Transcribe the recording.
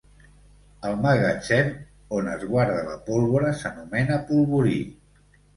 El magatzem on es guarda la pólvora s'anomena polvorí.